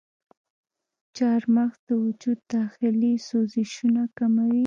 چارمغز د وجود داخلي سوزشونه کموي.